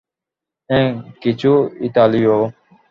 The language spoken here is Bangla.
হ্যাঁ, কিছু ইতালীয়ও।